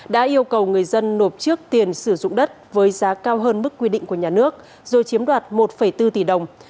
đã yêu cầu người dân nộp trước tiền sử dụng đất với giá cao hơn mức quy định của nhà nước rồi chiếm đoạt một bốn tỷ đồng